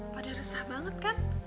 padahal resah banget kan